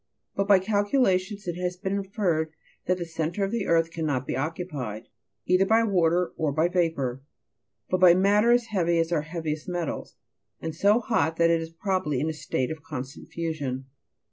But by calculations, it has been inferred that the centre of the earth cannot be occupied, either by water, or by vapour, but by matter as heavy as our heaviest metals, and so hot that it is probably in a state of constant fusion.